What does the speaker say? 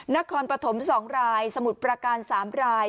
นครปฐม๒รายสมุทรประการ๓ราย